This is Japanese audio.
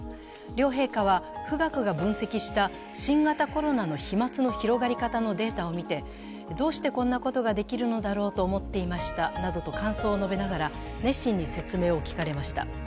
両陛下は、富岳が分析した新型コロナの秘密の広がり方のデータを見てどうしてこんなことができるのだろうと思っていましたなどと感想を述べながら、熱心に説明を聞かれました。